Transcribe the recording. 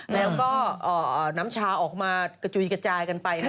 แล้วก็น้ำชาออกมากระจุยกระจายกันไป